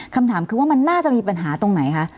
คำถามคือว่ามันน่าจะมีปัญหาตรงไหนคะ